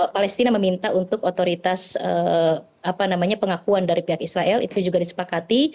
palestina meminta untuk otoritas pengakuan dari pihak israel itu juga disepakati